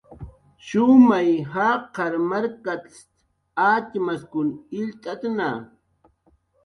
"Shumay jaqar markst"" atxamkun illt'atna"